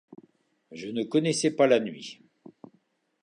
Je ne connaissais pas la nuit.